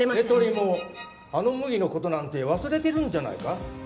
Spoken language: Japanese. エトリも羽野麦のことなんて忘れてるんじゃないか？